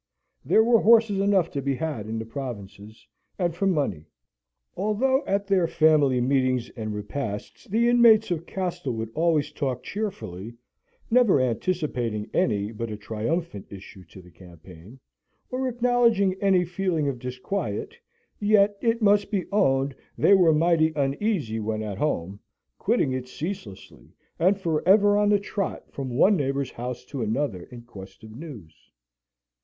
There were horses enough to be had in the provinces, and for money. It was only for the King's service that they were not forthcoming. Although at their family meetings and repasts the inmates of Castlewood always talked cheerfully, never anticipating any but a triumphant issue to the campaign, or acknowledging any feeling of disquiet, yet, it must be owned they were mighty uneasy when at home, quitting it ceaselessly, and for ever on the trot from one neighbour's house to another in quest of news.